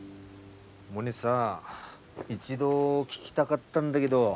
モネさ一度聞きたがったんだげど。